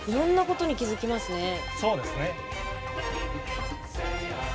そうですね。